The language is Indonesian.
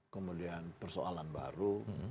kemudian persoalan baru